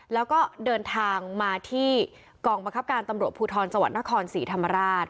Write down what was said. แล้วก็เดินทางมาที่กองบังคับการตำรวจภูทรจังหวัดนครศรีธรรมราช